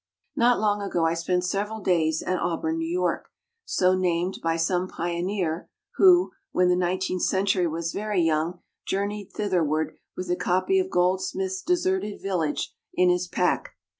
Not long ago I spent several days at Auburn, New York, so named by some pioneer who, when the Nineteenth Century was very young, journeyed thitherward with a copy of Goldsmith's "Deserted Village" in his pack.